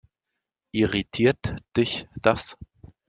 Irritiert dich das?